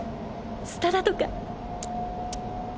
「スタダ」とか。